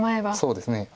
そうですね。